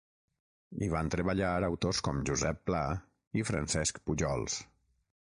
Hi van treballar autors com Josep Pla i Francesc Pujols.